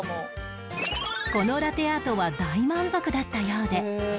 このラテアートは大満足だったようで